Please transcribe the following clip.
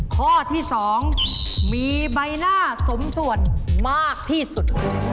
ข้อที่๒มีใบหน้าสมส่วนมากที่สุด